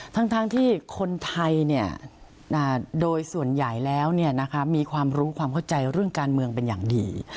ทั้งที่คนไทยโดยส่วนใหญ่แล้วมีความรู้ความเข้าใจเรื่องการเมืองเป็นอย่างดี